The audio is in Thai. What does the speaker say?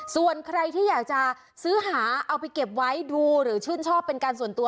ส่วนใครที่อยากจะซื้อหาเอาไปเก็บไว้ดูหรือชื่นชอบเป็นการส่วนตัว